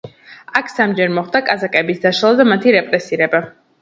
აქ სამჯერ მოხდა კაზაკების დაშლა და მათი რეპრესირება.